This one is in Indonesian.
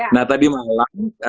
nah tadi malam